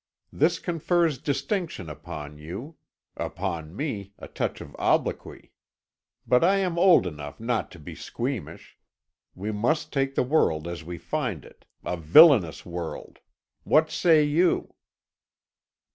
This confers distinction upon you upon me, a touch of obloquy. But I am old enough not to be squeamish. We must take the world as we find it a villainous world! What say you?"